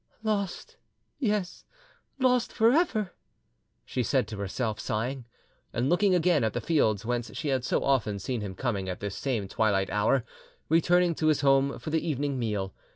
"Lost—yes, lost for ever!" she said to herself, sighing, and looking again at the fields whence she had so often seen him coming at this same twilight hour, returning to his home for the evening meal.